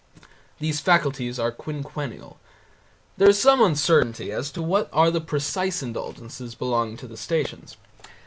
These faculties are quinquennial. There is some uncertainty as to what are the precise indulgences belonging to the stations.